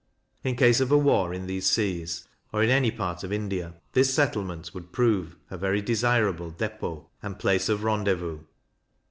In case of a war in these seas, or in any part of India, this settlement would prove a very desirable depot, and place of rendezvous.